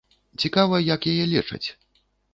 Цікава як яе лечаць?